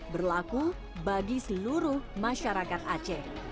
berlaku bagi seluruh masyarakat aceh